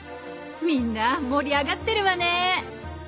みんな盛り上がってるわね！